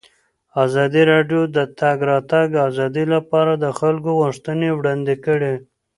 ازادي راډیو د د تګ راتګ ازادي لپاره د خلکو غوښتنې وړاندې کړي.